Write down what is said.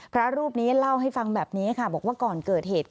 พระรูปนี้เล่าให้ฟังแบบนี้ค่ะบอกว่าก่อนเกิดเหตุ